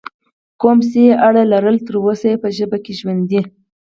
قوم پسې یې اړه لرله، تر اوسه یې په ژبه کې ژوندی